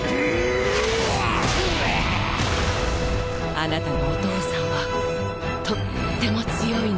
あなたのお父さんはとっても強いの。